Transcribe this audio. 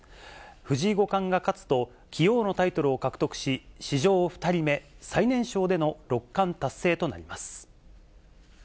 藤井五冠が勝つと、棋王のタイトルを獲得し、史上２人目、最年少での六冠達成となります。